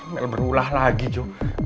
mel berulah lagi joe